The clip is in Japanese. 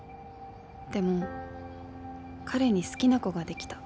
でも、彼に好きな子ができた。